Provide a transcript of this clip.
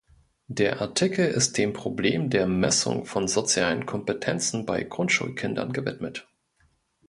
Der Artikel ist dem Problem der Messung von sozialen Kompetenzen bei Grundschulkindern gewidmet.